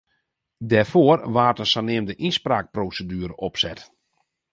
Dêrfoar waard in saneamde ynspraakproseduere opset.